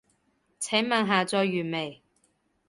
請問下載完未？